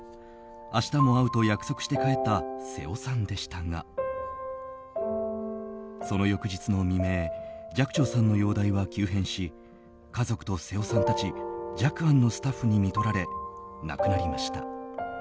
明日も会うと約束して帰った瀬尾さんでしたがその翌日の未明寂聴さんの容体は急変し家族と瀬尾さんたち寂庵のスタッフにみとられ亡くなりました。